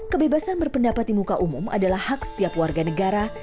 kebebasan berpendapat di muka umum adalah hak setiap warga negara